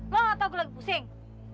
lo gak tau gue lagi pusing